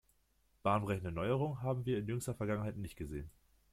Bahnbrechende Neuerungen haben wir in jüngster Vergangenheit nicht gesehen.